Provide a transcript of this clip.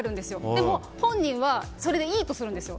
でも、本人はそれでいいとするんですよ。